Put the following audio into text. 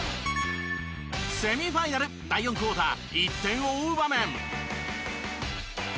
セミファイナル第４クオーター１点を追う場面。